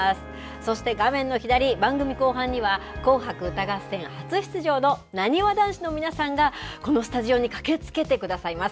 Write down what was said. そして、画面の左、番組後半には、紅白歌合戦初出場のなにわ男子の皆さんが、このスタジオに駆けつけてくださいます。